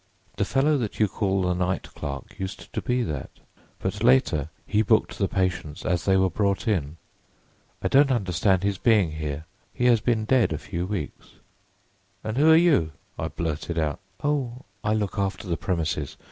The fellow that you call the night clerk used to be that, but later he booked the patients as they were brought in. I don't understand his being here. He has been dead a few weeks.' "'And who are you?' I blurted out. "'Oh, I look after the premises.